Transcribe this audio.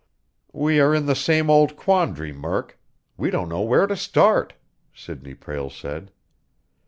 "We are in the same old quandary, Murk. We don't know where to start," Sidney Prale said.